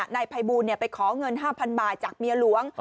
นายภัยบูลไปขอเงิน๕๐๐๐บาทจากเมียหลวง